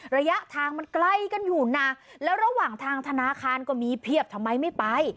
ระยะทางมันใกล้กันอยู่นะแล้วระหว่างทางธนาคารก็มีเพียบทำไมไม่ไป